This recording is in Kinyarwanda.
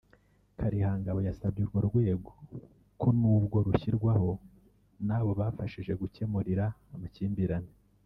Kalihangabo yasabye urwo rwego ko n’ubwo rushyirwaho n’abo bafashije gukemurira amakimbirane